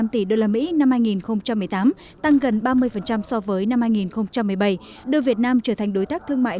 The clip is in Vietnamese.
năm tỷ usd năm hai nghìn một mươi tám tăng gần ba mươi so với năm hai nghìn một mươi bảy đưa việt nam trở thành đối tác thương mại